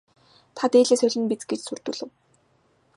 Та дээлээ солино биз гэж сүрдүүлэв.